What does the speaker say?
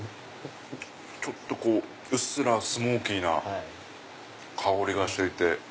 ちょっとうっすらスモーキーな香りがしていて。